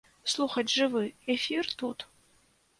Слухаць жывы эфір тут.